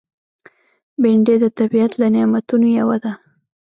بېنډۍ د طبیعت له نعمتونو یوه ده